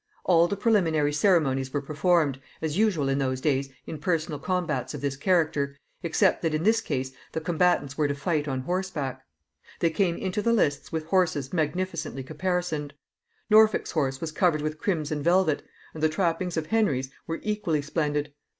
All the preliminary ceremonies were performed, as usual in those days in personal combats of this character, except that in this case the combatants were to fight on horseback. They came into the lists with horses magnificently caparisoned. Norfolk's horse was covered with crimson velvet, and the trappings of Henry's were equally splendid.